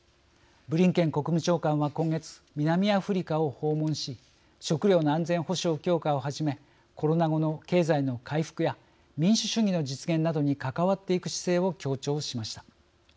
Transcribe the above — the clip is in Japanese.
ブリンケン国務長官は今月、南アフリカを訪問し食料の安全保障強化をはじめコロナ後の経済の回復や民主主義の実現などに関わっていく姿勢を強調しました。